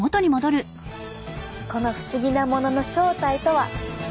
この不思議なものの正体とは？